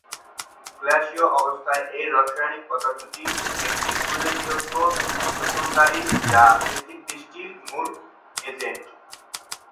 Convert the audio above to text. গ্যাসীয় অবস্থায়, এই রাসায়নিক পদার্থটি একটি উল্লেখযোগ্য দূষণকারী, যা এসিড বৃষ্টির মূল এজেন্ট।